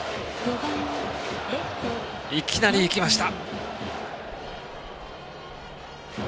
いきなりいきました。